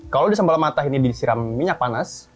kalau di sambal mata ini disiram minyak panas